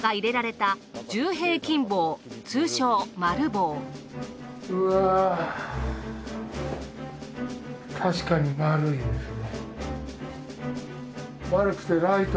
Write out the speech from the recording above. たしかに丸いですね。